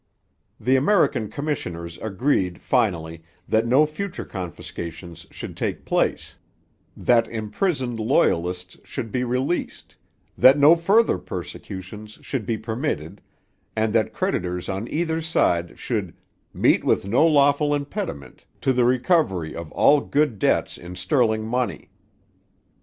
The American commissioners agreed, finally, that no future confiscations should take place, that imprisoned Loyalists should be released, that no further persecutions should be permitted, and that creditors on either side should 'meet with no lawful impediment' to the recovery of all good debts in sterling money.